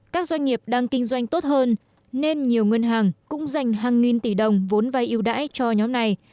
các doanh nghiệp đang kinh doanh tốt hơn nên nhiều ngân hàng cũng dành hàng nghìn tỷ đồng vốn vai yêu đãi cho nhóm này